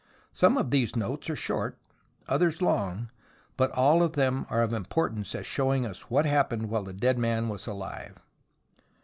Some of these notes are short, others long, but all of them are of import ance as showing us what happened while the dead man was alive.